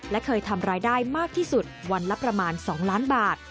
และเคยทำรายได้มากที่สุดวันละประมาณ๒ล้านบาท